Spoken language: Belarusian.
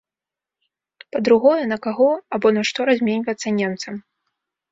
Па-другое, на каго або на што разменьвацца немцам?